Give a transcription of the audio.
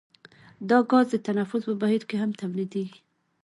دا غاز د تنفس په بهیر کې هم تولیدیږي.